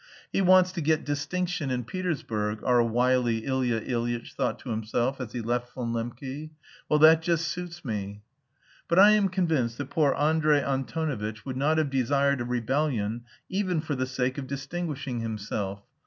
"He wants to get distinction in Petersburg," our wily Ilya Ilyitch thought to himself as he left Von Lembke; "well, that just suits me." But I am convinced that poor Andrey Antonovitch would not have desired a rebellion even for the sake of distinguishing himself.